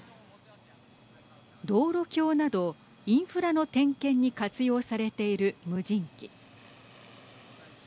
道路橋など、インフラの点検に活用されている無人機。